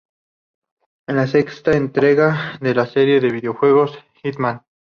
Es la sexta entrega de la serie de videojuegos "Hitman".